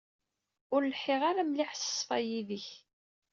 Ur lḥiɣ ara mliḥ s ṣṣfa yid-k.